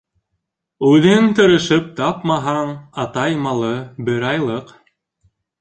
Үҙең тырышып тапмаһаң, атай малы бер айлыҡ